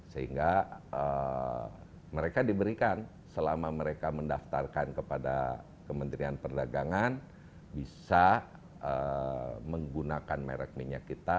sehingga mereka diberikan selama mereka mendaftarkan kepada kementerian perdagangan bisa menggunakan merek minyak kita